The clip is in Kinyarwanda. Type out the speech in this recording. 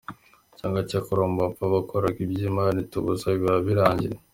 Cyokora abantu bapfa bakoraga ibyo imana itubuza, biba birangiye.